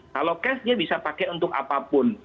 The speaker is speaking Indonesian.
kalau cash dia bisa pakai untuk apapun